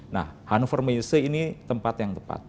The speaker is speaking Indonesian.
nah hannover muse ini tempat yang tepat